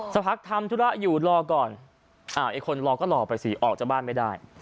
สักพักทำธุระอยู่รอก่อนไอ้คนรอก็รอไปสิออกจากบ้านไม่ได้